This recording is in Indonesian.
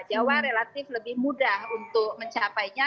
jawa relatif lebih mudah untuk mencapainya